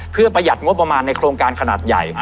เพื่อประหยัดงบประมาณในโครงการขนาดใหญ่